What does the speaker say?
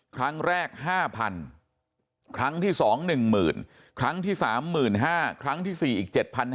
ครั้งแรก๕๐๐๐ครั้งที่๒หนึ่งหมื่นครั้งที่๓หมื่น๕ครั้งที่๔อีก๗๕๐๐